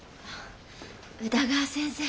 宇田川先生。